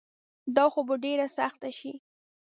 دا خو به ډیره سخته شي